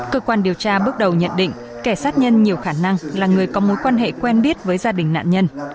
cơ quan điều tra bước đầu nhận định kẻ sát nhân nhiều khả năng là người có mối quan hệ quen biết với gia đình nạn nhân